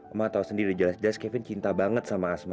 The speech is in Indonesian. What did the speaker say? emak tahu sendiri jelas jelas kevin cinta banget sama asma